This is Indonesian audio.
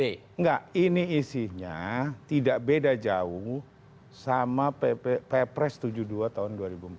enggak ini isinya tidak beda jauh sama ppres tujuh puluh dua tahun dua ribu empat belas